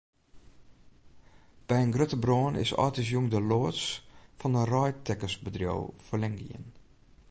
By in grutte brân is âldjiersjûn de loads fan in reidtekkersbedriuw ferlern gien.